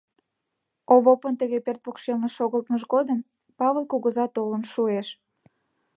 Овопын тыге пӧрт покшелне шогылтмыж годым Павыл кугыза толын шуэш.